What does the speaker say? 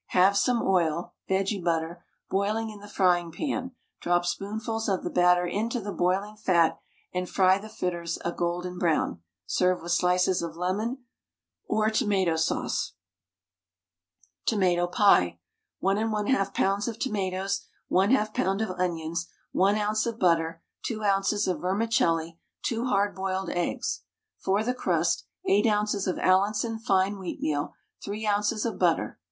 Have some oil (vege butter) boiling in the frying pan, drop spoonfuls of the batter into the boiling fat, and fry the fritters a golden brown. Serve with slices of lemon or tomato sauce. TOMATO PIE. 1 1/2 lbs. of tomatoes, 1/2 lb. of onions, 1 oz. of butter, 2 oz. of vermicelli, 2 hard boiled eggs. For the crust, 8 oz. of Allinson fine wheatmeal, 3 oz. of butter.